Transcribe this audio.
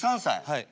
はい。